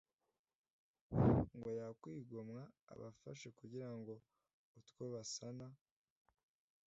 ngo yakwigomwa abafashe kugira utwo basana